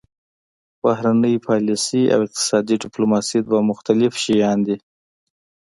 بهرنۍ پالیسي او اقتصادي ډیپلوماسي دوه مختلف شیان دي